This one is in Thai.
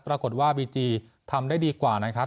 ปรากฏว่าบีจีทำได้ดีกว่านะครับ